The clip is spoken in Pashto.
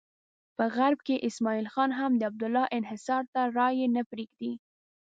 په غرب کې اسماعیل خان هم د عبدالله انحصار ته رایې نه پرېږدي.